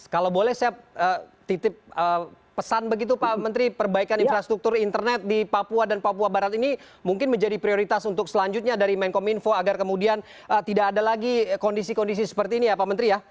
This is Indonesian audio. kalau boleh saya titip pesan begitu pak menteri perbaikan infrastruktur internet di papua dan papua barat ini mungkin menjadi prioritas untuk selanjutnya dari menkom info agar kemudian tidak ada lagi kondisi kondisi seperti ini ya pak menteri ya